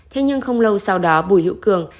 thế nhưng không lâu sau đó bùi hữu cường